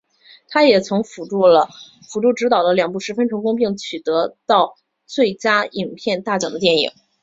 他也曾辅助执导了两部十分成功的并得到最佳影片大奖的电影。